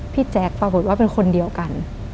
แจ๊คปรากฏว่าเป็นคนเดียวกัน